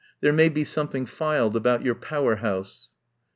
There may be some thing filed about your Power House."